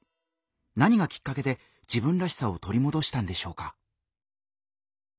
何がきっかけで自分らしさを取り戻したんでしょうか？